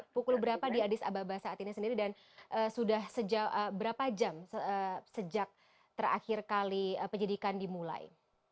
pukul berapa di adis ababa saat ini sendiri dan sudah sejauh berapa jam sejak terakhir kali penyidikan dimulai